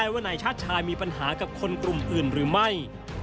ว่านายชาติชายมีปัญหากับคนกลุ่มอื่นหรือไม่